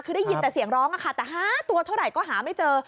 คือได้ยินแต่เสียงร้องค่ะแต่หาตัวเท่าไหร่ก็หาไม่เจอ